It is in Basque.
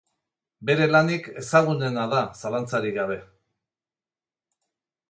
Bere lanik ezagunena da zalantzarik gabe.